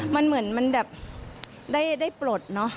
มันเหมือนมันแบบได้ปลดเนอะ